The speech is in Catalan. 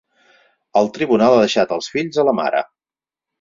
El tribunal ha deixat els fills a la mare.